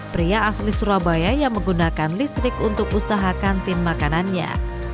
pria asli surabaya yang menggunakan listrik untuk usaha kantin makanannya